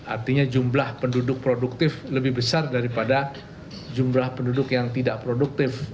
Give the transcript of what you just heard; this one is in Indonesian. artinya jumlah penduduk produktif lebih besar daripada jumlah penduduk yang tidak produktif